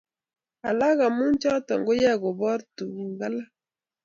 alak amu choto cheyoe koboor tuguk alak